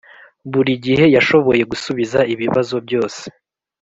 buri gihe yashoboye gusubiza ibibazo byose.